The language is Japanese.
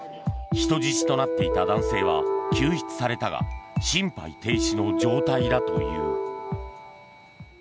人質となっていた男性は救出されたが心肺停止の状態だという。